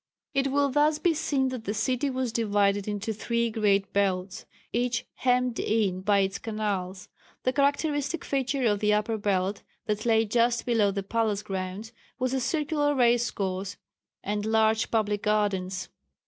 It will thus be seen that the city was divided into three great belts, each hemmed in by its canals. The characteristic feature of the upper belt that lay just below the palace grounds, was a circular race course and large public gardens.